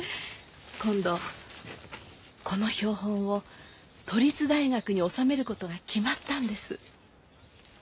今度この標本を都立大学に収めることが決まったんです。